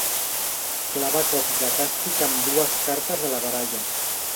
Clava cops de càstig amb dues cartes de la baralla.